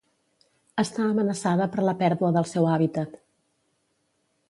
Està amenaçada per la pèrdua del seu hàbitat.